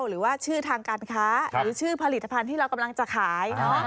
หรือว่าชื่อทางการค้าหรือชื่อผลิตภัณฑ์ที่เรากำลังจะขาย